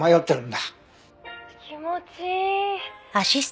「気持ちいい」